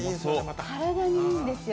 体にいいんですよ。